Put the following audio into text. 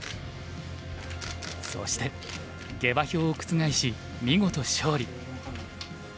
そして下馬評を覆し見事勝利。